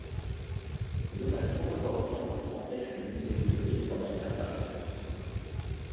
Les dommages trop importants empêchent le musée d'ouvrir pendant un certain temps.